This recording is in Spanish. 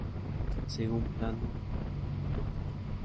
Según plano No.